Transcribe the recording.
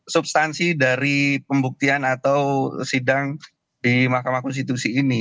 substansi dari pembuktian atau sidang di mahkamah konstitusi ini